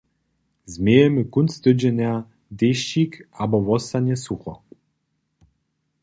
Změjemy kónc tydźenja dešćik abo wostanje sucho?